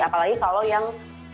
apalagi kalau yang